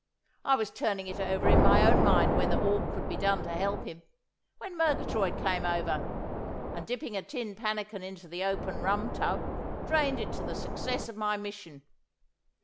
I was turning it over in my own mind whether aught could be done to help him, when Murgatroyd came over, and dipping a tin pannikin into the open rum tub, drained it to the success of my mission.